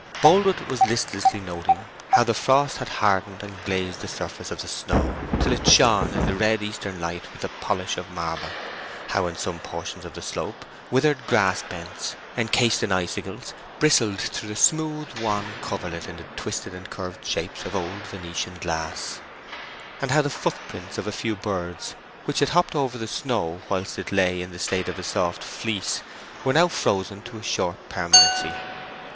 Boldwood was listlessly noting how the frost had hardened and glazed the surface of the snow, till it shone in the red eastern light with the polish of marble; how, in some portions of the slope, withered grass bents, encased in icicles, bristled through the smooth wan coverlet in the twisted and curved shapes of old Venetian glass; and how the footprints of a few birds, which had hopped over the snow whilst it lay in the state of a soft fleece, were now frozen to a short permanency.